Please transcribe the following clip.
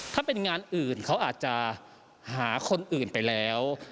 ถ้าเป็นงานอื่นเขาอาจจะหาคนอื่นไปแล้ว